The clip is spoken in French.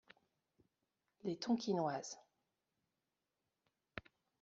Les Tonkinoises.